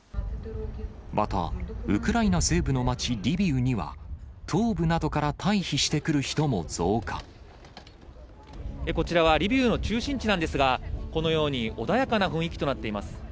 また、ウクライナ西部の街、リビウには、東部などから退避してくる人も増こちらはリビウの中心地なんですが、このように穏やかな雰囲気となっています。